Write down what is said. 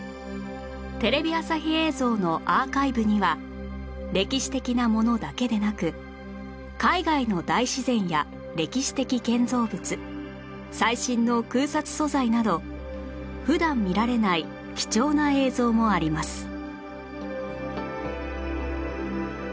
テレビ朝日映像のアーカイブには歴史的なものだけでなく海外の大自然や歴史的建造物最新の空撮素材など普段見られない貴重な映像もあります